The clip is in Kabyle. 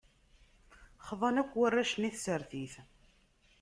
Xḍan akk warrac-nni i tsertit.